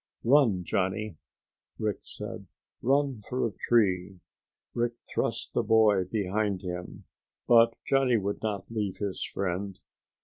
"Run, Johnny," Rick said. "Run for a tree!" Rick thrust the boy behind him, but Johnny would not leave his friend.